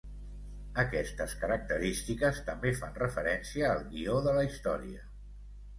Aquestes característiques també fan referència al guió de la història.